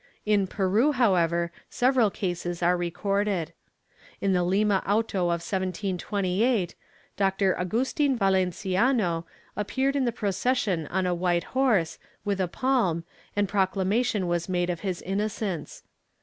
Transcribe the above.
In Peru, however, several cases are recorded. In the Lima auto of 1728 Doctor Agustin Valenciano appeared in the procession on a white horse, with a palm, and proclamation was made of his innocence.